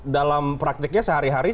dalam praktiknya sehari hari